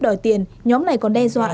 đòi tiền nhóm này còn đe dọa